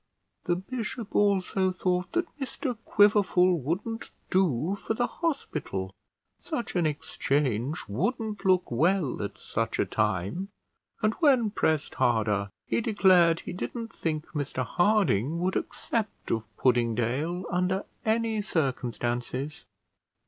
The bishop also thought that Mr Quiverful wouldn't do for the hospital; such an exchange wouldn't look well at such a time; and, when pressed harder, he declared he didn't think Mr Harding would accept of Puddingdale under any circumstances.